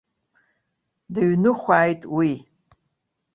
Дыҩныхәааит уи.